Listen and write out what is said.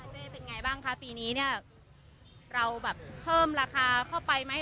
เป็นยังไงบ้างค่ะปีนี้เนี้ยเราแบบเขิมราคาเข้าไปไหม